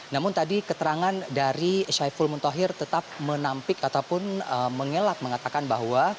namun tadi keterangan dari syaiful muntohir tetap menampik ataupun mengelak mengatakan bahwa